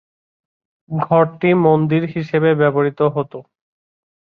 ঘরটি মন্দির হিসেবে ব্যবহৃত হতো।